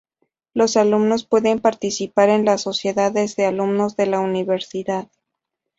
Los alumnos pueden participar en las Sociedades de Alumnos de la Universidad;